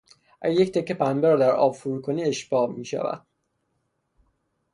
اگر یک تکه پنبه را در آب فرو کنی اشباع میشود.